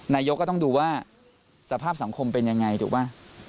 นายกก็ต้องดูว่าสภาพสังคมเป็นยังไงถูกป่ะ